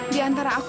di antara aku